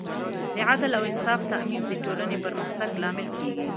د عدل او انصاف تامین د ټولنې پرمختګ لامل کېږي.